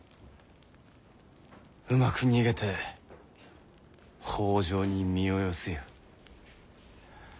うまく逃げて北条に身を寄せよ。